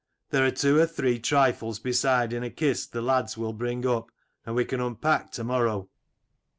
There are two or three trifles beside in a kist the lads will bring up and we can unpack to morrow.